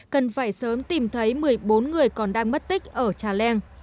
cần phải sớm tìm thấy một mươi bốn người còn đang mất tích ở trà leng